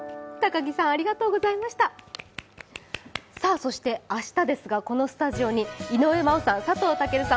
そして明日ですがこのスタジオに井上真央さん、佐藤健さん